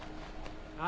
あ？